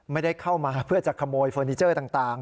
ไม่ได้เข้ามาเพื่อจะขโมยเฟอร์นิเจอร์ต่าง